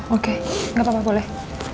oke nggak apa apa boleh